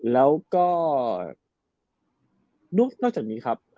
แล้วก็นอกจากนี้ครับ